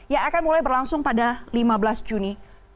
yang akan mulai berlangsung pada lima belas juni dua ribu dua puluh